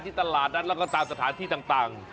ตลาดนัดแล้วก็ตามสถานที่ต่าง